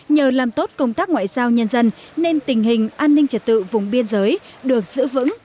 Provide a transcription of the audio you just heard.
nhờ làm tốt công tác ngoại giao nhân dân nên tình hình an ninh trật tự vùng biên giới được giữ vững